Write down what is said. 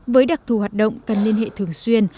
với đặc thù hoạt động cần liên hệ thường xuyên